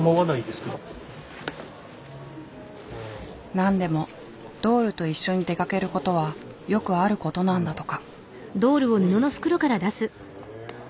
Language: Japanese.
なんでもドールと一緒に出かけることはよくあることなんだとか。